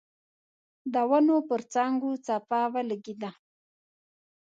د ونو پر څانګو څپه ولګېده.